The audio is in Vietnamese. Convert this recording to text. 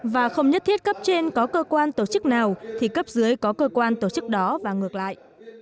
và không nhất thiết cấp trên có cơ quan tổ chức nào thì cấp dưới có cơ quan tổ chức đó và ngược lại